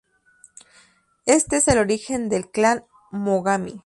Este es el origen del clan Mogami.